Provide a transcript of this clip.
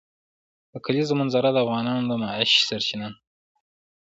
د کلیزو منظره د افغانانو د معیشت سرچینه ده.